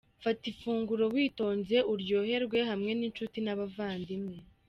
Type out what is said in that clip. Fata ifunguro witonze, uryoherwe hamwe n’inshuti n’abavandimwe.